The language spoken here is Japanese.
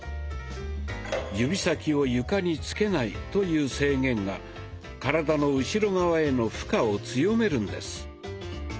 「指先を床に着けない」という制限が体の後ろ側への負荷を強めるんです。